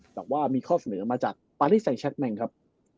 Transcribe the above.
แต่ว่ามีข้อเสนอมาจากปารีไซแชคแมงครับ